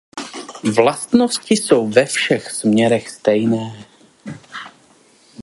Vlastnosti jsou ve všech směrech stejné.